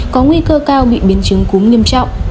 có nguy cơ cao bị biến chứng cúm nghiêm trọng